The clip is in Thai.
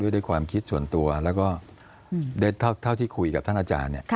ด้วยความคิดส่วนตัวแล้วก็เท่าที่คุยกับท่านอาจารย์